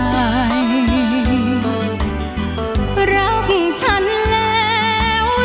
กลับมาน้องจะไม่ว่าอะไร